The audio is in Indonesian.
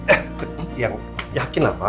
eh yang yakin lah pak